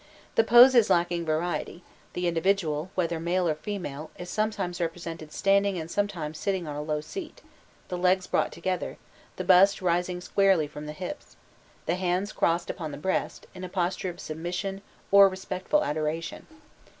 The pose is lacking in variety; the individual, whether male or female, is sometimes represented standing and sometimes sitting on a low seat, the legs brought together, the bust rising squarely from the hips, the hands crossed upon the breast, in a posture of submission or respectful adoration.